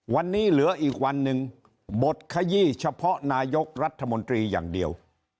วันนี้เหลืออีกวันหนึ่งบทขยี้เฉพาะนายกรัฐมนตรีอย่างเดียว